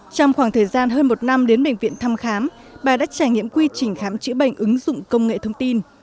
trong khoảng thời gian hơn một năm đến bệnh viện thăm khám bà đã trải nghiệm quy trình khám chữa bệnh ứng dụng công nghệ thông tin